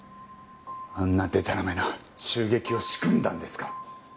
あんなでたらめな襲撃を仕組んだんですか？